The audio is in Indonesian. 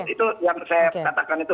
itu yang saya katakan itu